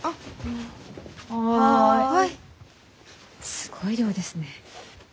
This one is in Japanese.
すごい量ですね。